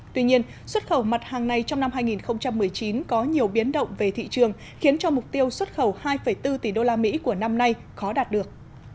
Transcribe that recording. tuy nhiên xuất khẩu mặt hàng này trong năm hai nghìn một mươi chín có nhiều biến động về thị trường khiến cho mục tiêu xuất khẩu hai bốn tỷ usd của năm nay khó đạt được